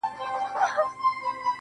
لټ پر لټ اوړمه د شپې، هغه چي بيا ياديږي.